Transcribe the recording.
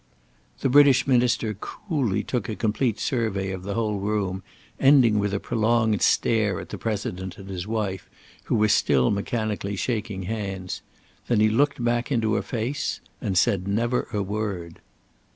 The British minister coolly took a complete survey of the whole room, ending with a prolonged stare at the President and his wife, who were still mechanically shaking hands; then he looked back into her face, and said never a word.